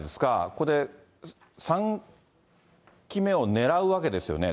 ここで３期目を狙うわけですよね。